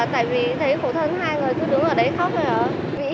tại vì thấy khổ thân hai người cứ đứng ở đấy khóc rồi ạ